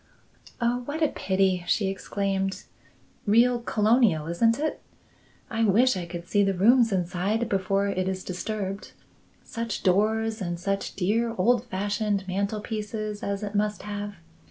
"Oh, what a pity!" she exclaimed. "Real colonial, isn't it! I wish I could see the rooms inside before it is disturbed. Such doors and such dear old fashioned mantelpieces as it must have!